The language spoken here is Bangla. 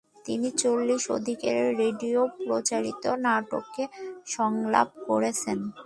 তিনি চল্লিশের অধিক রেডিও প্রচারিত নাটকে সংলাপ করেছেন।